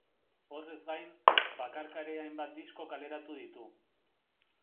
Horrez gain, bakarka ere hainbat disko kaleratu ditu.